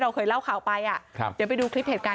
เอาตังค์มาให้กูด้วย